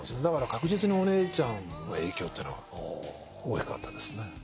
だから確実にお姉ちゃんの影響っていうのが大きかったですね。